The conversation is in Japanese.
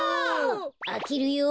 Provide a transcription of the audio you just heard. あけるよ。